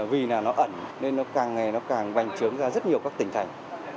vì nó ẩn nên nó càng ngày nó càng bành trướng ra rất nhiều các tỉnh thành